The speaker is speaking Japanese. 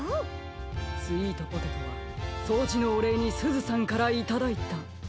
スイートポテトはそうじのおれいにすずさんからいただいた。